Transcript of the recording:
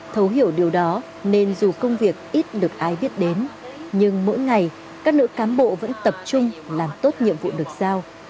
thấu hiểu điều đó nên dù công việc ít được ai biết đến nhưng mỗi ngày các nữ cán bộ vẫn tập trung làm tốt nhiệm vụ được giao